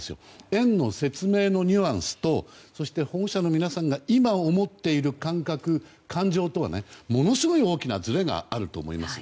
園の説明のニュアンスとそして保護者の皆さんが今、思っている感覚感情とはものすごい大きなずれがあると思います。